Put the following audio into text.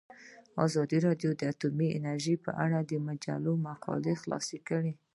ازادي راډیو د اټومي انرژي په اړه د مجلو مقالو خلاصه کړې.